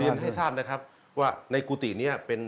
เรียนให้ทราบนะครับว่าในกุฏินี้